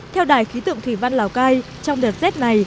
theo đài khí tượng thủy văn lào cai trong đợt rét này